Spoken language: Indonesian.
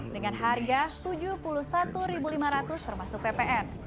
dengan harga rp tujuh puluh satu lima ratus termasuk ppn